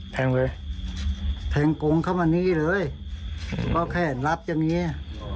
แทงเลยแทงกงเข้ามานี่เลยก็แค่รับจะเมีย